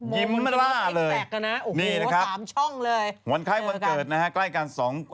ยิ้มเบลล่าเลยนี่นะครับวันใกล้วันเกิดนะฮะใกล้กัน๒